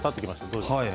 どうですか？